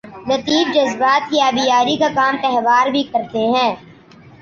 لطیف جذبات کی آبیاری کا کام تہوار بھی کرتے ہیں۔